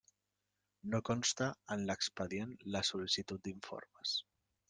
No consta en l'expedient la sol·licitud d'informes.